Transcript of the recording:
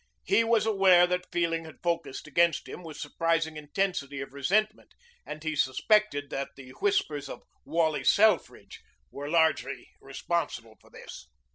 He was aware that feeling had focused against him with surprising intensity of resentment, and he suspected that the whispers of Wally Selfridge were largely responsible for this.